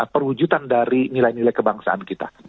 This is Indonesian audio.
perwujudan dari nilai nilai kebangsaan kita